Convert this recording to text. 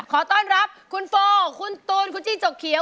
ขอต้อนรับคุณโฟคุณตูนคุณจี้จกเขียว